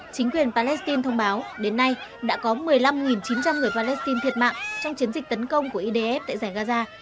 chính quyền palestine thông báo đến nay đã có một mươi năm chín trăm linh người palestine thiệt mạng trong chiến dịch tấn công của idf tại giải gaza